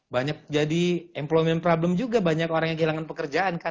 banyak jadi employment problem juga banyak orang yang kehilangan pekerjaan kan